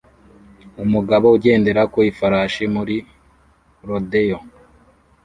Umugabo ugendera ku ifarashi muri rodeo